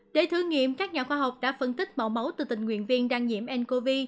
để thử nghiệm các nhà khoa học đã phân tích mẫu máu từ tình nguyện viên đang nhiễm ncov